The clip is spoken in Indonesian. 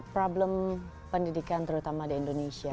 problem pendidikan terutama di indonesia